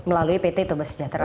melalui pt toba sejahtera